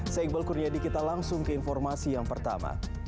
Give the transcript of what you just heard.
saya iqbal kurniadi kita langsung ke informasi yang pertama